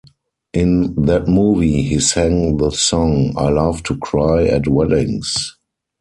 In that movie, he sang the song "I Love to Cry at Weddings".